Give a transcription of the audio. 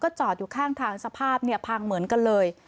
จอดอยู่ข้างทางสภาพเนี่ยพังเหมือนกันเลย